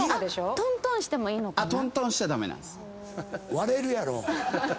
割れるやろ。